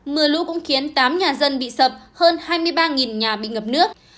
mưa lũ cũng khiến tám nhà dân bị sập hơn hai mươi ba nhà bị ngập nước